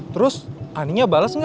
terus aninya bales gak